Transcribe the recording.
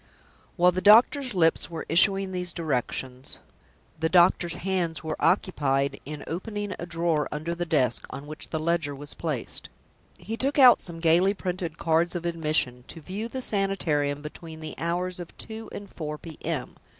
While the doctor's lips were issuing these directions, the doctor's hands were occupied in opening a drawer under the desk on which the ledger was placed. He took out some gayly printed cards of admission "to view the Sanitarium, between the hours of two and four P.M.